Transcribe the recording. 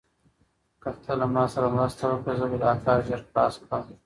که ته له ما سره مرسته وکړې، زه به دا کار ژر خلاص کړم.